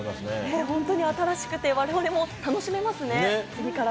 本当に新しくて我々も楽しめますね。